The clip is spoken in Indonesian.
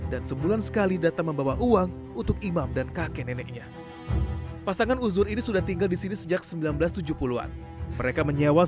dan juga di rumah panggung di jakarta timur